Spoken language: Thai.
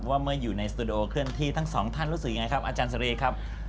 ว่าเมื่ออยู่ในสตูดิโอเคลื่อนที่ทั้งสองท่านรู้สึกยังไงครับอาจารย์เสรีครับ